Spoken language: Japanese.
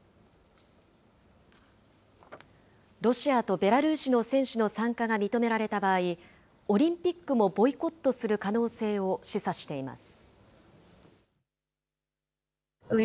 ロシアとベラルーシの選手の参加が認められた場合、オリンピックもボイコットする可能性を示唆しています。